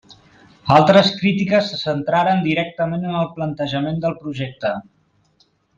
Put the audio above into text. Altres crítiques se centraren directament en el plantejament del projecte.